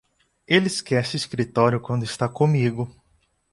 Ele esquece o escritório quando está comigo.